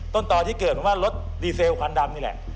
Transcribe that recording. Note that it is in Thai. ต้นต่อที่เกิดว่ารถดีเซลควันดำนี่แหละ